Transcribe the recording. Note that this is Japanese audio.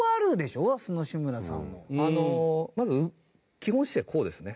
あのまず基本姿勢こうですね。